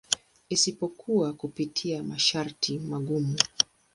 Isipokuwa kupitia masharti magumu.